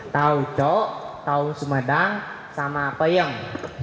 tahu cok tahu sumedang sama apa yang